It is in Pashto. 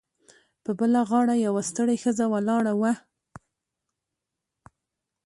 په بله غاړه یوه ستړې ښځه ولاړه وه